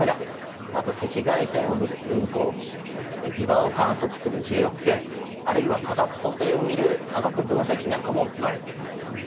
あと赤外線を見る分光器磁場を観測する磁力計あるいは化学組成を見る化学分析器なんかも積まれています。